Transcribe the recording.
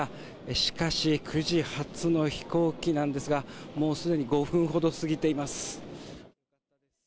しかし９時発の飛行機なんですがもうすでに５分ほど過ぎています。